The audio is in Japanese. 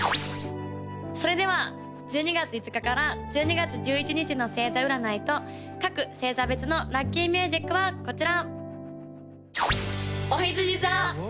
それでは１２月５日から１２月１１日の星座占いと各星座別のラッキーミュージックはこちら！